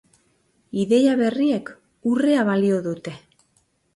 Ideia berriek urrea balio dute.